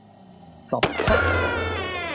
十七